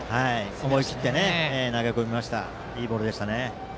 思い切って投げ込んだいいボールでした。